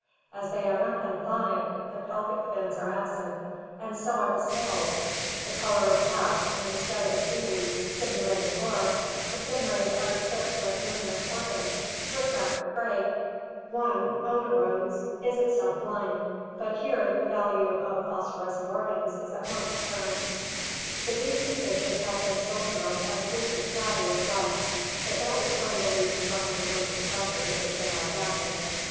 As they are not benthonic, the pelvic fins are absent, and so are the scales; the color is black and instead of a seaweed simulating lure, the fin rays are tipped with luminous organs to attract the prey {Lino phryne, Fig. 96, E, F). One, Oneirodes, is itself blind, but here the value of phosphorescent organs is at once apparent. The deep sea fishes have been spoken of as weak and flabby of flesh, but that is when released from the terrific pressure to which they are adapted.